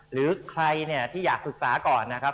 หรือใครที่อยากศึกษาก่อนนะครับ